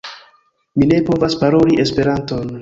Mi ne povas paroli Esperanton!